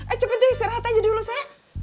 ayo cepet deh saya rehat aja dulu saya